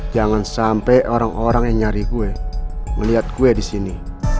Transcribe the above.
jangan sampai orang orang yang nyari gue melihat gue disini